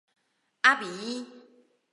阿比伊。